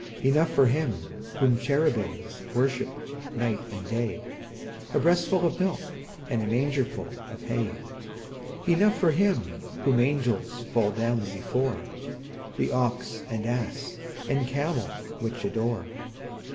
Enough for Him whom cherubim Worship night and day, A breastful of milk And a mangerful of hay; Enough for Him whom angels Fall down before, The ox and ass and camel Which adore.